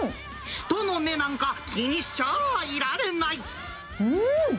人の目なんか気にしちゃいらうーん！